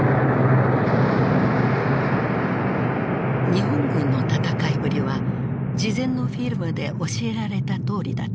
日本軍の戦いぶりは事前のフィルムで教えられたとおりだった。